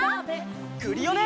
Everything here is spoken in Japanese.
クリオネ！